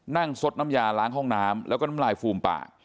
ซดน้ำยาล้างห้องน้ำแล้วก็น้ำลายฟูมปาก